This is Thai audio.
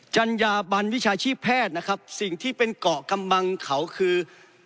จันยาปรรณวิชาชีพแพทย์สิ่งที่เป็นเกาะกำบังเขาคือ